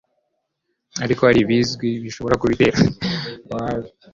ariko hari ibizwi bishobora kubitera: